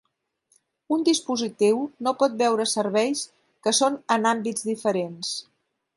Un dispositiu no pot veure serveis que són en àmbits diferents.